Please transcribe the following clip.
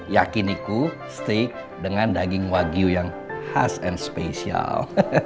yakiniku steak dengan daging wagyu yang khas dan spesial